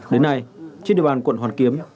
đến nay trên địa bàn quận hoàn kiếm